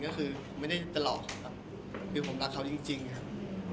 ก็คือไม่ได้จะหลอกเขาครับคือผมรักเขาจริงครับ